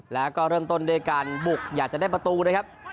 แล้วก็เริ่มต้นด้วยการบุกอยากจะได้ประตูนะครับ